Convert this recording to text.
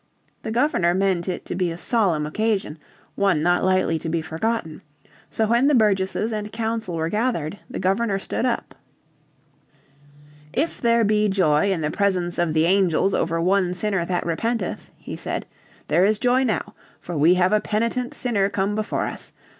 The Governor meant it to be a solemn occasion, one not lightly to be forgotten. So when the burgesses and council were gathered the Governor stood up. "If there be joy in the presence of the angels over one sinner that repenteth," he said, "there is joy now, for we have a penitent sinner come before us.